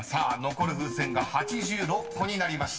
残る風船が８６個になりました］